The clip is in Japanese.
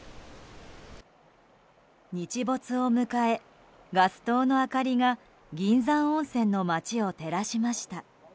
日没を迎え、ガス灯の明かりが銀山温泉の街を照らしました。